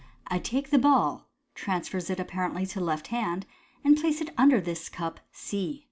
I take the ball " (transfers it apparently to left hand) "and place it under this cup (C).